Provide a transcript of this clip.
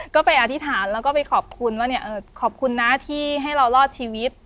ก็ไปอธิษฐานแล้วก็ไปขอบคุณว่าขอบคุณนะที่ให้เรารอดชีวิต